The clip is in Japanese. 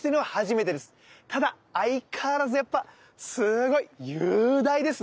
ただ相変わらずやっぱすごい雄大ですね。